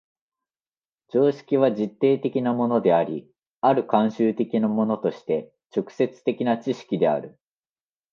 常識は実定的なものであり、或る慣習的なものとして直接的な知識である。